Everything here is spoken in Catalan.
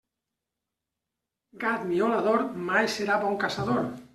Gat miolador, mai serà bon caçador.